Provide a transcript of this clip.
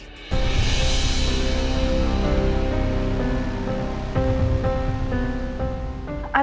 itu sudah berubah